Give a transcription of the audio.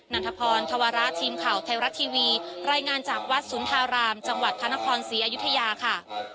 ันทพรธวระทีมข่าวไทยรัฐทีวีรายงานจากวัดสุนทารามจังหวัดพระนครศรีอยุธยาค่ะ